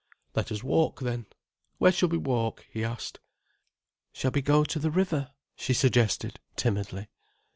"Let us walk then—where shall we walk?" he asked. "Shall we go to the river?" she suggested, timidly.